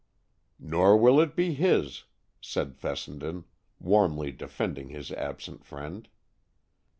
"Nor will it be his," said Fessenden, warmly defending his absent friend.